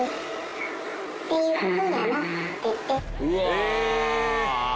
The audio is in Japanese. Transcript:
え。